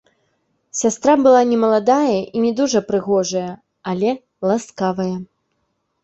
Сястра была не маладая і не дужа прыгожая, але ласкавая.